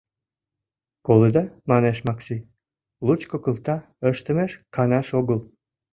— Колыда, — манеш Макси, — лучко кылта ыштымеш канаш огыл.